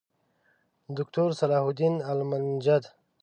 دوکتورصلاح الدین المنجد